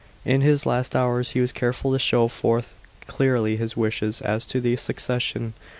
In his last hours he was careful to show forth clearly his wishes as to the succession.